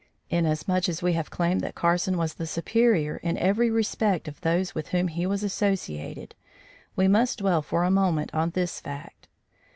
Inasmuch as we have claimed that Carson was the superior in every respect of those with whom he was associated, we must dwell for a moment on this fact.